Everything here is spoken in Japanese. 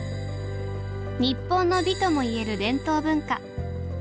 日本の美ともいえる伝統文化。